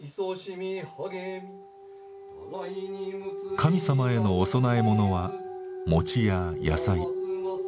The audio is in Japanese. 神様へのお供え物は餅や野菜タイなど。